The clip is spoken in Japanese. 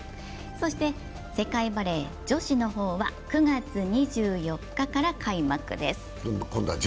そして世界バレー女子の方は９月２４日から開幕です。